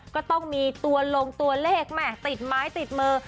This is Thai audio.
ก็ต้องมีตัวลงตัวเลขติดไม้ติดเมอร์